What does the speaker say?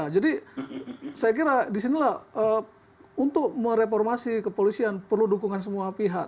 jadi saya kira disinilah untuk mereformasi kepolisian perlu dukungan semua pihak